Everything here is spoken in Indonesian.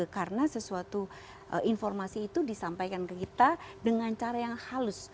karena sesuatu informasi itu disampaikan kita dengan cara yang halus